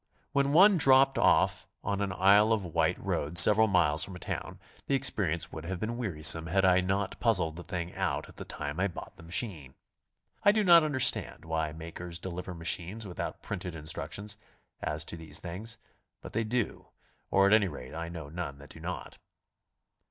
Wh en one dropped off on an Isle of Wight road several miles from a town, the experience would have been wearisome had I not puzzled the thing out at the time I bought the machine. I do not understand why mak ers deliver machines without printed instructions as to these things, but they do, or at any rate I know none that do not.